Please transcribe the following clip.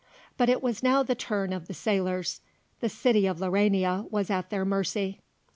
But it was now the turn of the sailors. The city of Laurania was at their mercy.